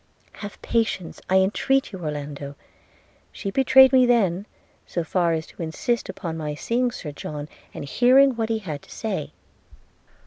'Have patience, I entreat you, Orlando! – She betrayed me then, so far as to insist upon my seeing Sir John, and hearing what he had to say.'